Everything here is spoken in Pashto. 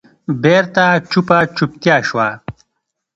بېرته چوپه چوپتیا شوه.